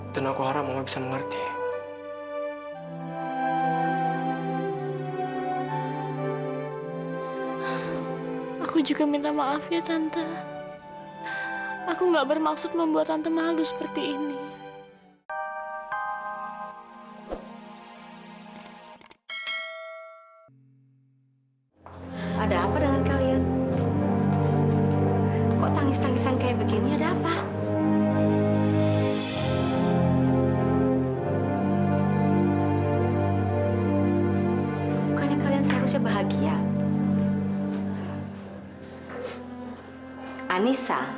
tante malu seperti ini